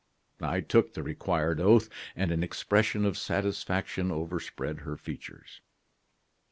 "I took the required oath, and an expression of satisfaction overspread her features.